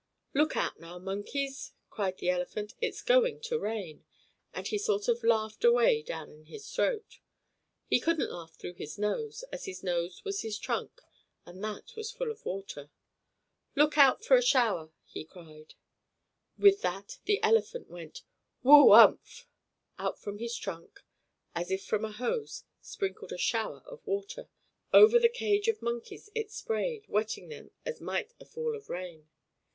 "Look out now, monkeys!" cried the elephant. "It's going to rain!" and he sort of laughed away down in his throat. He couldn't laugh through his nose, as his nose was his trunk, and that was full of water. "Look out for a shower!" he cried. With that the elephant went: "Woof umph!" Out from his trunk, as if from a hose, sprinkled a shower of water. Over the cage of monkeys it sprayed, wetting them as might a fall of rain.